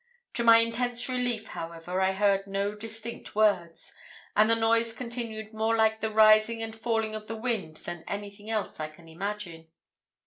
To my intense relief, however, I heard no distinct words, and the noise continued more like the rising and falling of the wind than anything else I can imagine.